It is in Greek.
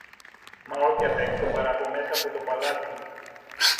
μα όχι απ' έξω, παρά από μέσα από το παλάτι.